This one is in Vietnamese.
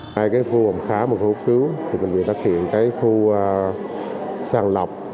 hai cái khu gồm khá một khu cứu thì bệnh viện đặt hiện cái khu sang lọc